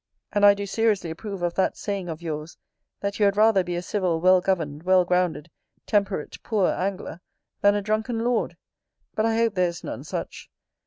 And I do seriously approve of that saying of yours, "that you had rather be a civil, well governed, well grounded, temperate, poor angler, than a drunken lord ": but I hope there is none such.